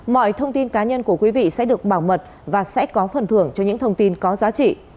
mọi thông tin cá nhân của quý vị sẽ được bảo mật và sẽ có phần thưởng cho những thông tin có giá trị